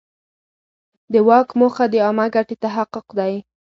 د واک موخه د عامه ګټې تحقق دی.